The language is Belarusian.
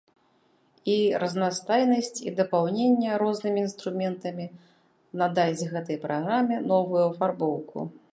І разнастайнасць, і дапаўненне рознымі інструментамі надасць гэтай праграме новую афарбоўку.